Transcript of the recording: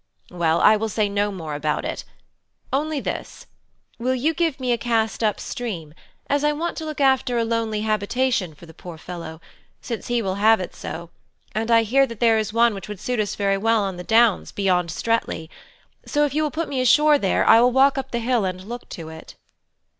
Well, I will say no more about it; only this: will you give me a cast up stream, as I want to look after a lonely habitation for the poor fellow, since he will have it so, and I hear that there is one which would suit us very well on the downs beyond Streatley; so if you will put me ashore there I will walk up the hill and look to it."